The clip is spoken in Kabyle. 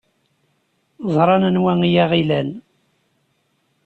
Ẓran anwa ay aɣ-ilan.